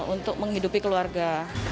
untuk menghidupi keluarga